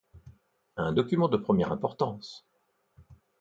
Un document de première importance!...